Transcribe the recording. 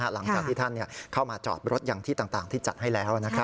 หลังจากที่ท่านเข้ามาจอดรถอย่างที่ต่างที่จัดให้แล้ว